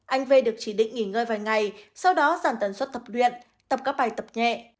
anh về được chỉ định nghỉ ngơi vài ngày sau đó giàn tần suốt tập luyện tập các bài tập nhẹ